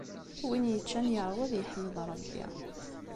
Win yeččan yeṛwa ad yeḥmed Ṛebbi.